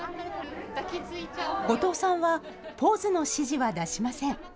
後藤さんはポーズの指示は出しません。